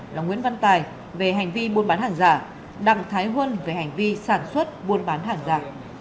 là nguyễn văn tài về hành vi buôn bán hàng giả đặng thái huân về hành vi sản xuất buôn bán hàng giả